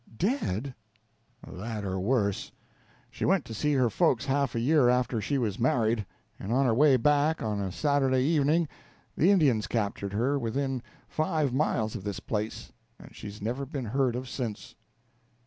"Dead?" "That or worse. She went to see her folks half a year after she was married, and on her way back, on a Saturday evening, the Indians captured her within five miles of this place, and she's never been heard of since."